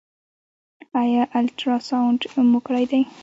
ایا الټراساونډ مو کړی دی؟